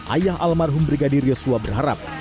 ayah almarhum brigadir yosua berharap